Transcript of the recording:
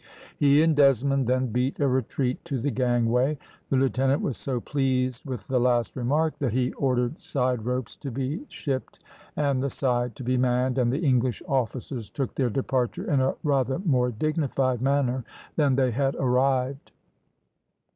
He and Desmond then beat a retreat to the gangway. The lieutenant was so pleased with the last remark, that he ordered side ropes to be shipped and the side to be manned, and the English officers took their departure in a rather more dignified manner than they had arrived.